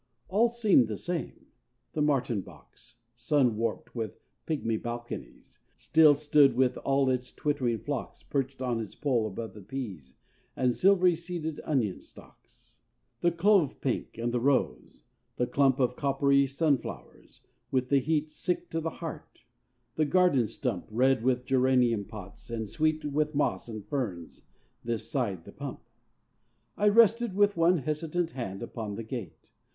All seemed the same: the martin box Sun warped with pigmy balconies Still stood with all its twittering flocks, Perched on its pole above the peas And silvery seeded onion stocks. The clove pink and the rose; the clump Of coppery sunflowers, with the heat Sick to the heart: the garden stump, Red with geranium pots and sweet With moss and ferns, this side the pump. I rested, with one hesitant hand Upon the gate.